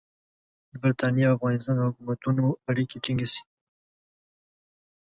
د برټانیې او افغانستان د حکومتونو اړیکې ټینګې شي.